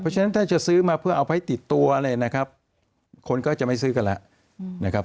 เพราะฉะนั้นถ้าจะซื้อมาเพื่อเอาไปติดตัวอะไรนะครับคนก็จะไม่ซื้อกันแล้วนะครับ